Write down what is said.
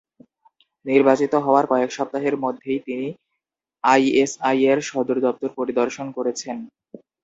নির্বাচিত হওয়ার কয়েক সপ্তাহের মধ্যেই তিনি আইএসআইয়ের সদর দপ্তর পরিদর্শন করেছেন।